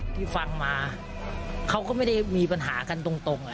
ที่ฟังมาเขาก็ไม่ได้มีปัญหากันตรง